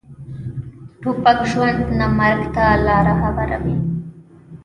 توپک ژوند نه، مرګ ته لاره هواروي.